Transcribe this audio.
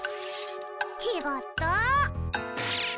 ちがった。